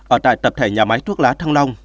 ở tại tập thể nhà máy thuốc lá thăng long